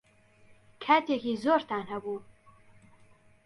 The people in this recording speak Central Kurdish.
کاتێکی زۆرتان هەبوو.